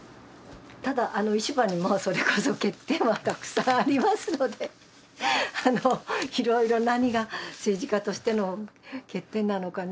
ただあの石破にもそれこそ欠点はたくさんありますのであの色々何が政治家としての欠点なのかね